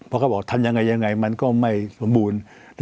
เขาก็บอกว่าทำยังไงมันก็ไม่สมบูรณ์